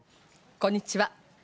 こんにちは。